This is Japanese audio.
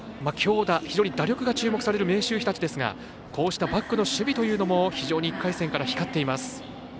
強打、非常に打力が注目される明秀日立ですがこうしたバックの守備というのも非常に１回戦から光っています。